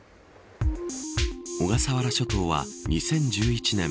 小笠原諸島は２０１１年